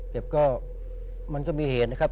แต่ก็มันก็มีเหตุนะครับ